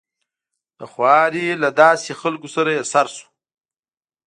د خوارې له داسې خلکو سره يې سر شو.